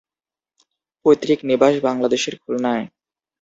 পৈতৃক নিবাস বাংলাদেশের খুলনায়।